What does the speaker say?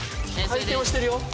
回転はしてるよ。